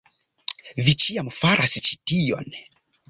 Vi ĉiam faras ĉi tion